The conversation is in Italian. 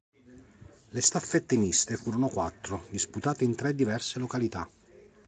Le staffette miste furono quattro, disputate in tre diverse località.